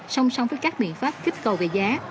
song song với các biện pháp kích cầu về giá